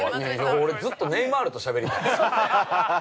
◆俺ずっとネイマールとしゃべりたい。